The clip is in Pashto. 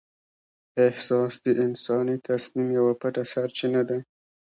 احساس د انساني تصمیم یوه پټه سرچینه ده.